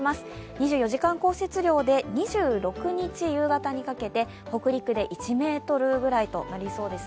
２４時間降雪量で２６日夕方にかけて北陸で１ｍぐらいとなりそうです。